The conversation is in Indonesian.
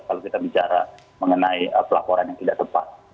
kalau kita bicara mengenai pelaporan yang tidak tepat